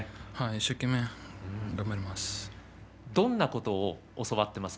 一生懸命頑張ります。